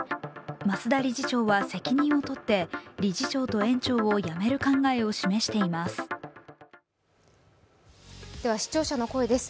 増田理事長は責任を取って理事長と園長を辞める考えを示しています。